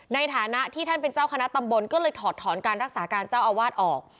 ในฐานะที่ท่านเป็นเจ้าคณะตำบลก็เลยถอดถอนการรักษาการเจ้าอาวาสออก